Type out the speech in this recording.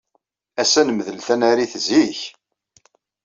Ass-a nemdel tanarit zik.